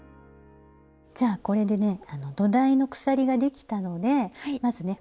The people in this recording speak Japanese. じゃあこれでね土台の鎖ができたのでまずね